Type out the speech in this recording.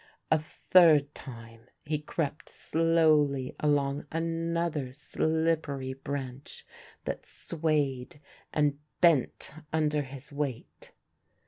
A third time he crept slowly along another slippery branch that swayed and bent under his weight.